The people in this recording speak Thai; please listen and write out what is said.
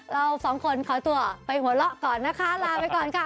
เราสองคนขอตัวไปหัวเราะก่อนนะคะลาไปก่อนค่ะ